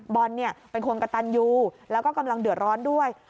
บอลเป็นคนกระตันยูแล้วก็กำลังเดือดร้อนด้วย